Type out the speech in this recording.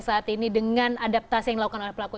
saat ini dengan adaptasi yang dilakukan oleh pelaku